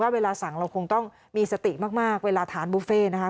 เวลาสั่งเราคงต้องมีสติมากเวลาทานบุฟเฟ่นะคะ